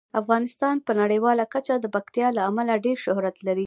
افغانستان په نړیواله کچه د پکتیکا له امله ډیر شهرت لري.